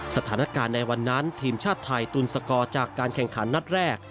สถานการณ์ในวันนั้นทีมชาติไทยตุนสกอร์จากการแข่งขันนัดแรก